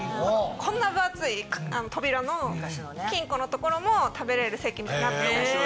こんな分厚い扉の金庫の所も食べれる席になってまして。